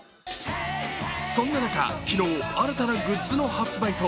そんな中、昨日新たなグッズの発売が。